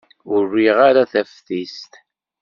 Ur riɣ ara taftist.